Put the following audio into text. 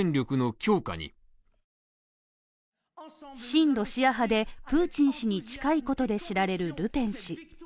親ロシア派で、プーチン氏に近いことで知られるルペン氏。